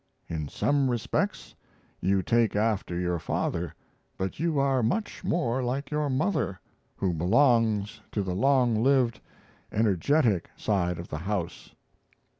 In some respects you take after your father, but you are much more like your mother, who belongs to the long lived, energetic side of the house....